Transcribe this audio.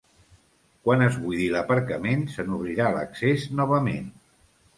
Quan es buidi l’aparcament, se n’obrirà l’accés novament.